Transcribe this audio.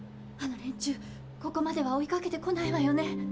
あの連中ここまでは追いかけてこないわよね？